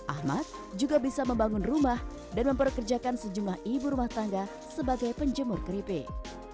ahmad juga bisa membangun rumah dan memperkerjakan sejumlah ibu rumah tangga sebagai penjemur keripik